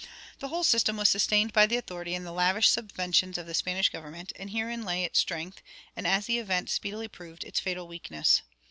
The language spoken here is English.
The whole system was sustained by the authority and the lavish subventions of the Spanish government, and herein lay its strength and, as the event speedily proved, its fatal weakness.